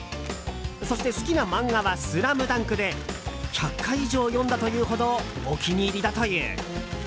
そして好きな漫画は「ＳＬＡＭＤＵＮＫ」で１００回以上読んだというほどお気に入りだという。